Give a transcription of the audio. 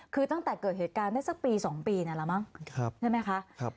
คือตั้งแต่เกิดเหตุการณ์ได้สักปีสองปีนี่แหละมั้งครับใช่ไหมคะครับ